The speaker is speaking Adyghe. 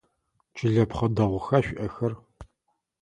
Чылэпхъэ дэгъуха шъуиӏэхэр?